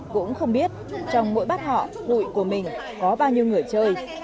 cũng không biết trong mỗi bát họ đội của mình có bao nhiêu người chơi